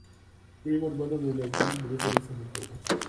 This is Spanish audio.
Primo hermano de la actriz María Tereza Montoya.